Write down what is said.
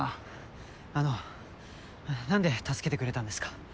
あのなんで助けてくれたんですか？